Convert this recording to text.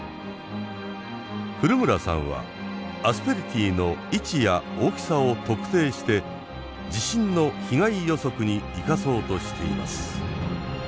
古村さんはアスペリティの位置や大きさを特定して地震の被害予測に生かそうとしています。